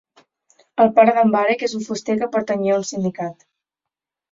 El pare d'en Barek és un fuster que pertanyia a un sindicat.